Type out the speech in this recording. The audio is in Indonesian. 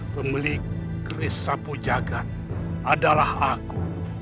pemilik keris sapu jagat adalah aku